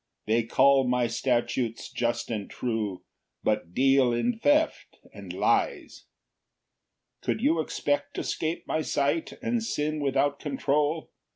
"They call my statutes just and true, "But deal in theft and lies. 4 "Could you expect to 'scape my sight, "And sin without control?